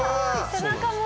背中も！